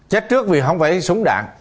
chết trước vì không phải súng đạn